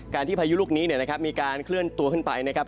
ที่พายุลูกนี้มีการเคลื่อนตัวขึ้นไปนะครับ